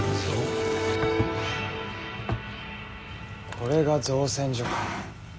これが造船所か。